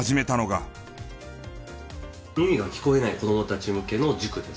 耳が聞こえない子供たち向けの塾です。